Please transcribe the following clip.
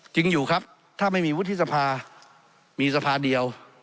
จริงอยู่ครับถ้าไม่มีวุฒิสภามีสภาเดียว